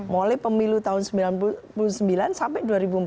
mulai pemilu tahun seribu sembilan ratus sembilan puluh sembilan sampai dua ribu empat belas